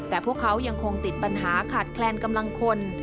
แต่พวกเขายังคงติดปัญหาขาดแคลนกำลังคน